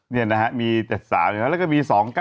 เนี่ยนะครับมี๗๓แล้วก็มี๒๙๐